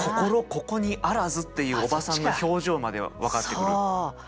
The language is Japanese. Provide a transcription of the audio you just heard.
ここに在らずっていう叔母さんの表情まで分かってくる。